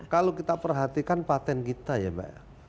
kalau kita perhatikan patent kita ya mbak